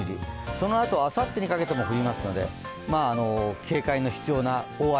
そのあとあさってにかけても降りますので、警戒の必要な大雨。